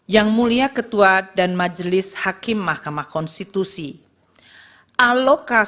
yang berfungsi untuk stabilisasi dan mendukung perlindungan sosial